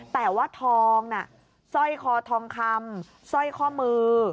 แต่ว่าทองน่ะสร้อยคอทองคำสร้อยข้อมือ